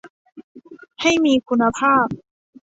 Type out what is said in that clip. ให้มีคุณภาพ